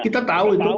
kita tahu itu